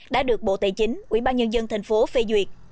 đã được bộ tài chính ủy ban nhân dân tp hcm phê duyệt